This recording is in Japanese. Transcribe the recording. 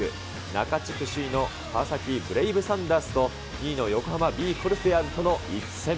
中地区首位の川崎ブレイブサンダースと、２位の横浜ビー・コルセアーズとの一戦。